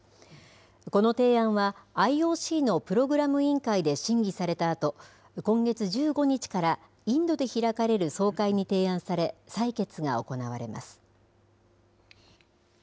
この提案はＩＯＣのプログラム委員会で審議されたあと、今月１５日からインドで開かれる総会に提案され、採決が行われます。